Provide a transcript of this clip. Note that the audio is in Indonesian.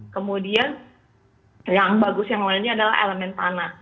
kemudian yang bagus yang lainnya adalah elemen tanah